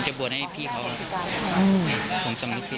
ผมจะบวชให้พี่เขานะครับ